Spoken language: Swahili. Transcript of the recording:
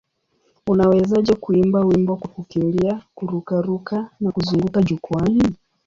Unawezaje kuimba wimbo kwa kukimbia, kururuka na kuzunguka jukwaani?